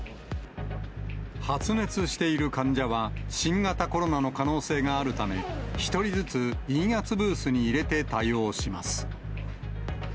発熱している患者は、新型コロナの可能性があるため、１人ずつ陰圧ブースに入れて対応します。